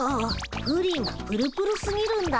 プリンプルプルすぎるんだ。